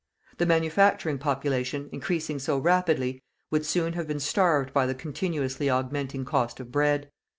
The manufacturing population, increasing so rapidly, would soon have been starved by the continuously augmenting cost of bread.